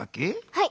はい。